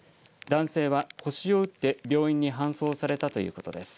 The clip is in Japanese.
男性は腰を打って病院に搬送されたということです。